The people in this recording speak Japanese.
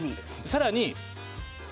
さらに。